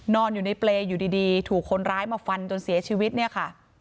นอนอยู่ในเปรย์อยู่ดีถูกคนร้ายมาฟันจนเสียชีวิตเนี่ยค่ะ